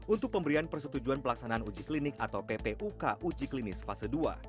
untuk pemberian persetujuan pelaksanaan uji klinik atau ppuk uji klinis fase dua